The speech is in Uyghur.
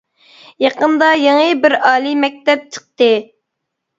يېقىندا يېڭى بىر ئالىي مەكتەپ چىقتى.